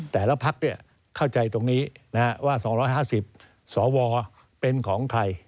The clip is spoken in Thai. พักเข้าใจตรงนี้ว่า๒๕๐สวเป็นของใคร